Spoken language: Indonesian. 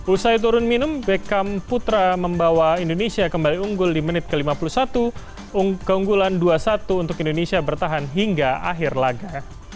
usai turun minum beckham putra membawa indonesia kembali unggul di menit ke lima puluh satu keunggulan dua satu untuk indonesia bertahan hingga akhir laga